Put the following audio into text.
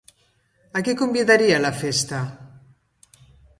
A qui convidaria a la festa?